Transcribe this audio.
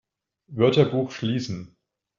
Wörterbuch schließen!